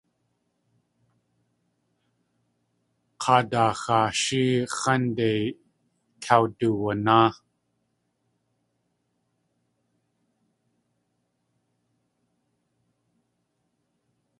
K̲aadaaxaashí x̲ánde kawduwanáa.